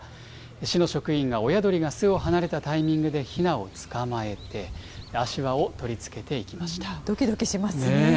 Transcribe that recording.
市の職員が親鳥が巣を離れたタイミングでヒナを捕まえて、足環をどきどきしますね。